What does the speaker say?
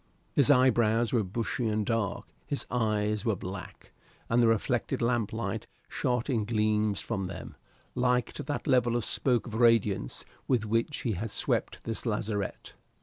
His eyebrows were bushy and dark; his eyes were black, and the reflected lamplight shot in gleams from them, like to that level spoke of radiance with which he had swept this lazarette.